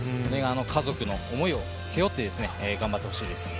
家族の思いを背負って頑張ってほしいです。